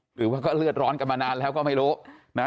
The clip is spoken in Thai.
หรือว่าก็เลือดร้อนกันมานานแล้วก็ไม่รู้นะ